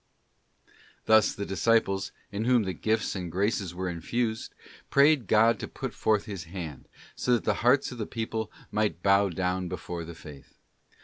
Thus the disciples, in whom the gifts and graces _ were infused, prayed God to put forth His hand, so that the 2. As to merit, hearts of the people might bow down before the Faith.